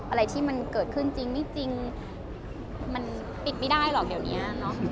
อะไรที่มันเกิดขึ้นจริงไม่จริงมันปิดไม่ได้หรอกเดี๋ยวนี้เนอะ